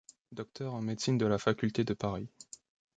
Docteur en Médecine de la Faculté de Paris.